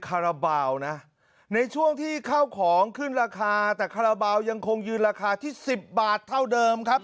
คาราบาลนะในช่วงที่ข้าวของขึ้นราคาแต่คาราบาลยังคงยืนราคาที่๑๐บาทเท่าเดิมครับ